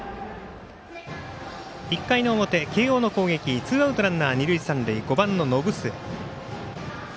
１回の表、慶応の攻撃ツーアウト、ランナー二塁三塁５番の延末。